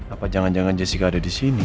apa jangan jangan jessica ada di sini